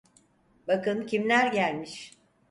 Bakın kimler gelmiş.